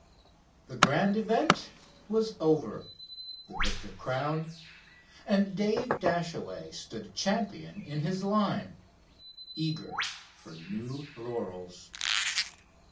The grand event was over, the victor crowned, and Dave Dashaway stood champion in his line, eager for new laurels.